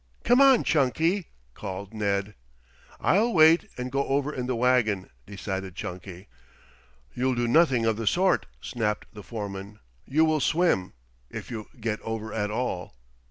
"Come on, Chunky," called Ned. "I'll wait and go over in the wagon," decided Chunky. "You'll do nothing of the sort," snapped the foreman. "You will swim, if you get over at all."